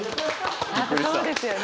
そうですよね。